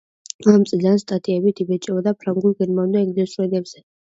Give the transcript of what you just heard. ამ წლიდან სტატიები იბეჭდებოდა ფრანგულ, გერმანულ და ინგლისურ ენებზე.